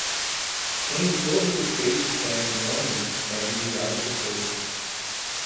Quem de todos os peixes conhece o nome, é vigiado por todos.